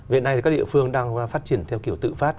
hiện nay thì các địa phương đang phát triển theo kiểu tự phát